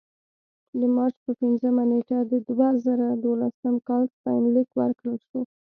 د مارچ په پنځمه نېټه د دوه زره دولسم کال ستاینلیک ورکړل شو.